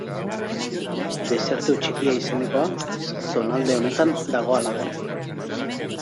Desertu Txikia izenekoa zonalde honetan dago halaber.